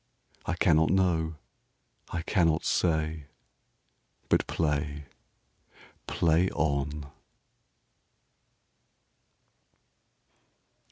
I cannot know. I cannot say. But play, play on.